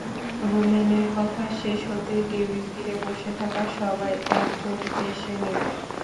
রুমেনের কথা শেষ হতেই টেবিল ঘিরে বসে থাকা সবাই একচোট হেসে নিলেন।